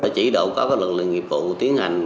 chỉ đổ có các lực lượng nghiệp vụ tiến hành